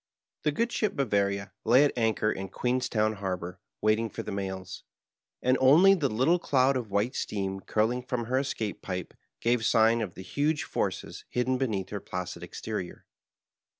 '' Br THE EDITOH. Thb good ship Bavaria lay at anchor in Qneenstown Harbor waiting for the mails, and only the little cloud of white steam curling from her escape pipe gave sign of the huge forces hidden beneath her placid exterior.